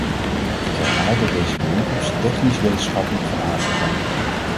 Ik herhaal dat deze bijeenkomst technisch-wetenschappelijk van aard zal zijn.